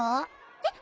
えっ！？